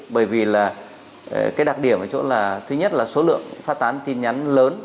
bởi vì là cái đặc điểm ở chỗ là thứ nhất là số lượng phát tán tin nhắn lớn